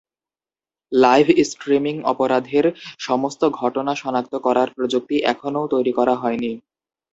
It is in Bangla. লাইভ স্ট্রিমিং অপরাধের সমস্ত ঘটনা সনাক্ত করার প্রযুক্তি এখনও তৈরি করা হয়নি।